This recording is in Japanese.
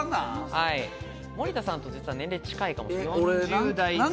森田さんと実は年齢近いかもしれない。